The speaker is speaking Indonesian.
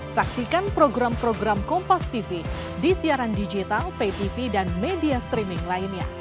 saksikan program program kompastv di siaran digital paytv dan media streaming lainnya